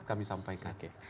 kami sampai kakek